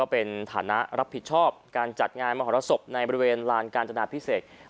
เป็นฐานะรับผิดชอบการจัดงานมหรสบในบริเวณลานกาญจนาพิเศษ